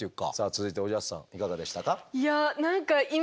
続いておじゃすさんいかがでしたか？